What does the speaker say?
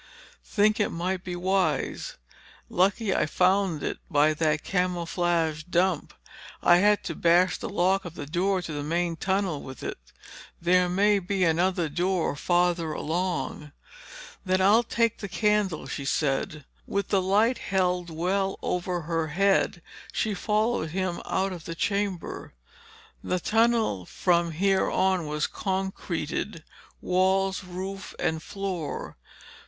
"Think it might be wise. Lucky I found it by that camouflaged dump. I had to bash the lock of the door to the main tunnel with it. And there may be another door farther along." "Then I'll take the candle," she said. With the light held well over her head, she followed him out of the chamber. The tunnel from here on was concreted, walls, roof and floor.